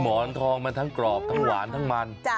หมอนทองมันทั้งกรอบทั้งหวานทั้งมัน